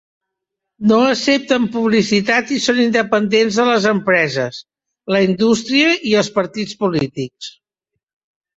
No accepten publicitat i són independents de les empreses, la indústria i els partits polítics.